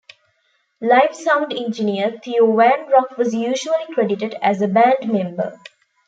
Live sound engineer Theo Van Rock was usually credited as a band member.